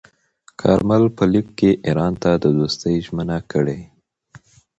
کارمل په لیک کې ایران ته د دوستۍ ژمنه کړې.